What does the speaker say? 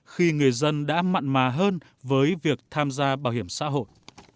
khi người dân đã mặn mà hơn với việc tham gia bảo hiểm xã hội